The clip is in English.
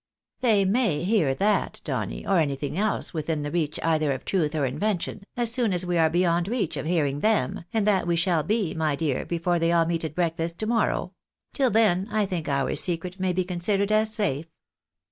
" They may hear that, Donny, or auytliing else within the reach either of truth or invention, as soon as we are beyond reach of hearing them, and that we shall be, my dear, before they all meet A BRIEF ENGAGEMENT. 257 at breakfast to morrow ; till then, I tliiiik, our secret may be con sidered as safe."